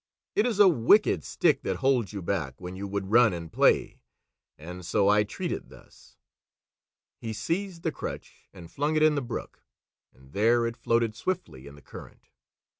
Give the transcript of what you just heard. "It is a wicked stick that holds you back when you would run and play, and so I treat it thus!" He seized the crutch and flung it in the brook, and there it floated swiftly in the current.